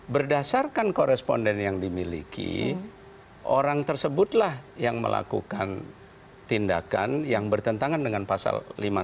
berdasarkan koresponden yang dimiliki orang tersebutlah yang melakukan tindakan yang bertentangan dengan pasal lima puluh enam